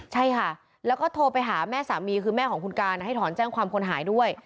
ใช่ค่ะแล้วก็โทรไปหาแม่สามีคือแม่ของคุณการให้ถอนแจ้งความคนหายด้วย